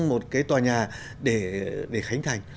một cái tòa nhà để khánh thành